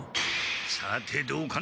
さてどうかな？